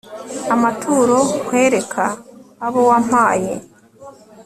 amaturo, nkwereka abo wampaye